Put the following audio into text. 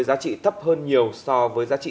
giá trị thấp hơn nhiều so với giá trị